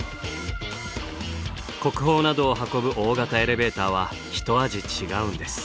国宝などを運ぶ大型エレベーターは一味違うんです。